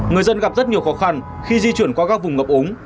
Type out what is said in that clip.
người dân gặp rất nhiều khó khăn khi di chuyển qua các vùng ngập ống